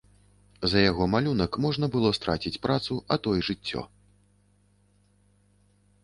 За яго малюнак можна было страціць працу, а то і жыццё.